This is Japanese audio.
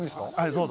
どうぞ。